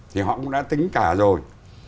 thì họ cũng đã tính cả rồi